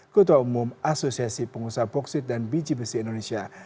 ketua umum asosiasi pengusaha boksit dan biji besi indonesia